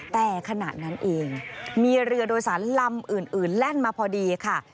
แต่ขณะนั้นเองมีเรือโดยสารลำอื่นแล่นมาพอดีค่ะ